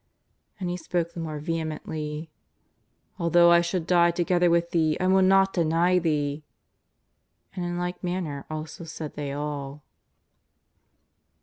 But he spoke the more vehemently: ^'Although I should die together with Thee, I w^ll not deny Thee.'' And in like manner also said they all."